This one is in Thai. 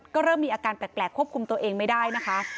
ก็เริ่มมีอาการแปลกควบคุมตัวเองไม่ได้นะคะ